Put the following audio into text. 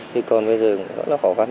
thì còn bây giờ cũng rất là khó khăn